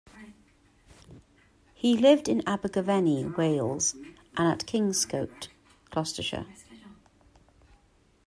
He lived in Abergavenny, Wales, and at Kingscote, Gloucestershire.